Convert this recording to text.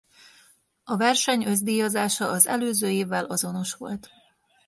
A verseny összdíjazása az előző évvel azonos volt.